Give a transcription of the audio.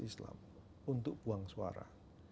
islam untuk buang suara